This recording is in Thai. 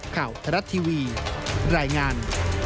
ข่าวไทยรัฐทีวีรายงาน